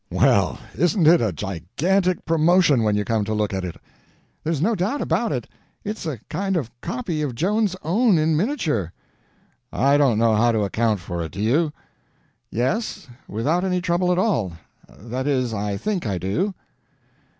Well, isn't it a gigantic promotion, when you come to look at it!" "There's no doubt about it. It's a kind of copy of Joan's own in miniature." "I don't know how to account for it—do you?" "Yes—without any trouble at all—that is, I think I do."